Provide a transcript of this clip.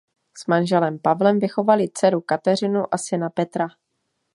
S manželem Pavlem vychovali dceru Kateřinu a syna Petra.